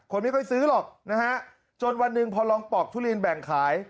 ไม่ค่อยซื้อหรอกนะฮะจนวันหนึ่งพอลองปอกทุเรียนแบ่งขาย